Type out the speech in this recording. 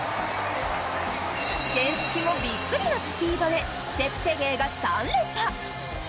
原付きもびっくりのスピードでチェプテゲイが３連覇。